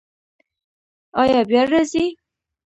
ایا بیا راځئ؟